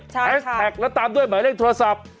แฮชแท็กแล้วตามด้วยหมายเลขโทรศัพท์